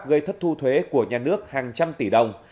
gây thất thu thuế của nhà nước hàng trăm tỷ đồng